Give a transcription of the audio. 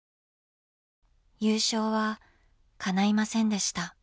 優勝はかないませんでした。